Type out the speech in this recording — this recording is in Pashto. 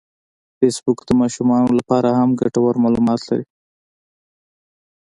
فېسبوک د ماشومانو لپاره هم ګټور معلومات لري